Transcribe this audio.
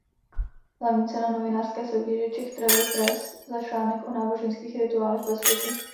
Hlavní cena novinářské soutěže Czech Travel Press za článek o náboženských rituálech ve světě.